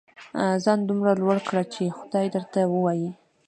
ځان دومره لوړ کړه چې خدای درته ووايي.